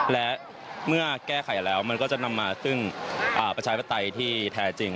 และเมื่อแก้ไขแล้วมันก็จะนำมาซึ่งประชาธิปไตยที่แท้จริง